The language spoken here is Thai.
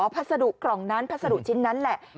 พัสดุกล่องนั้นพัสดุชิ้นนั้นแหละ